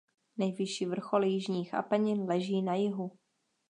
Nejvyšší vrcholy Jižních Apenin leží na jihu.